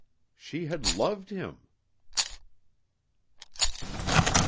She had loved him.